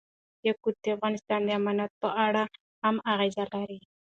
یاقوت د افغانستان د امنیت په اړه هم اغېز لري.